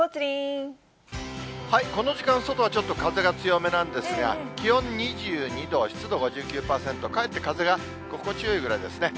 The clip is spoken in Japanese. この時間、外はちょっと風が強めなんですが、気温２２度、湿度５９％、かえって風が心地よいぐらいですね。